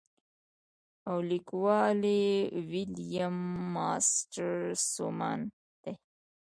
او ليکوال ئې William Mastrosimoneدے.